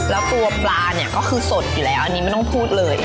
แล้วตัวปลาเนี่ยก็คือสดอยู่แล้วอันนี้ไม่ต้องพูดเลย